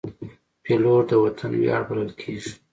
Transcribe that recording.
پیلوټ د وطن ویاړ بلل کېږي.